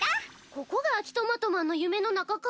ここが秋トマトマンの夢の中か。